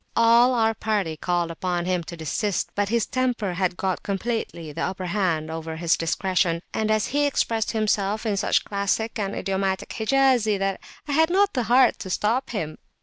All our party called upon him to desist, but his temper had got completely the upper hand over his discretion, and he expressed himself in such classic and idiomatic Hijazi, that I had not the heart to stop him.